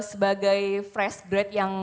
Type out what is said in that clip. sebagai fresh grade yang